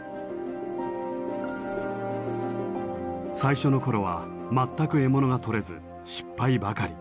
最初の頃は全く獲物がとれず失敗ばかり。